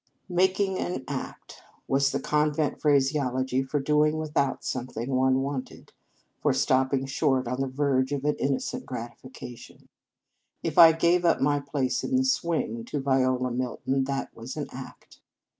" Making an act " was the convent phraseology for doing without some thing one wanted, for stopping short on the verge of an innocent gratifica tion. If I gave up my place in the swing to Viola Milton, that was an act.